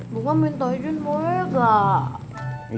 buka minta izin boleh gak